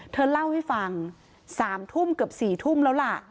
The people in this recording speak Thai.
เธอเล่าให้ฟัง๓ทุ่มเกือบ๔ทุ่มแล้วล่ะ